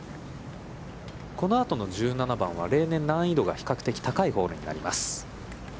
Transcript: このあとの１７番は例年、難易度が比較的高いホールになります。